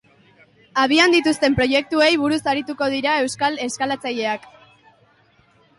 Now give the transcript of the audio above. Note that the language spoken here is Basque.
Abian dituzten proiektuei buruz arituko dira euskal eskalatzaileak.